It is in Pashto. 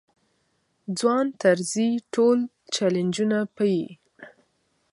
ځوان طرزی ټول چلنجونه پېيي.